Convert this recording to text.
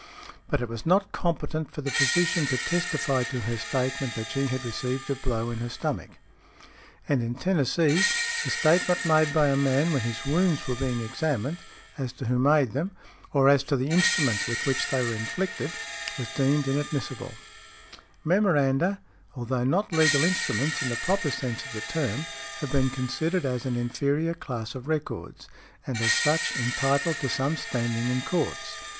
But it was not competent for the physician to testify to her statement that she had received a blow in her stomach . And in Tennessee, the statement made by a man when his wounds were being examined, as to who made them, or as to the instrument with which they were inflicted, was deemed inadmissible . Memoranda, although not legal instruments in the proper sense of the term, have been considered as an inferior class of records, and as such entitled to some standing in courts.